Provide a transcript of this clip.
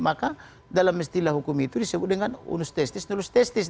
maka dalam istilah hukum itu disebut dengan unustestis nulustestis